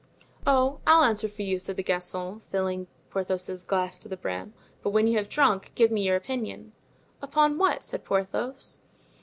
"Oh, I'll answer for you," said the Gascon, filling Porthos's glass to the brim; "but when you have drunk, give me your opinion." "Upon what?" asked Porthos.